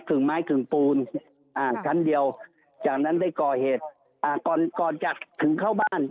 ่งไม้กึ่งปูนอ่าชั้นเดียวจากนั้นได้ก่อเหตุอ่าก่อนก่อนจะถึงเข้าบ้าน